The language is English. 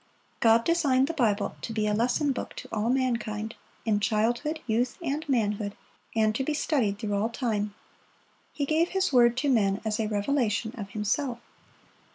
God designed the Bible to be a lesson book to all mankind, in childhood, youth, and manhood, and to be studied through all time. He gave His word to men as a revelation of Himself.